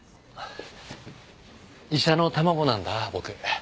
医者の卵なんだ僕。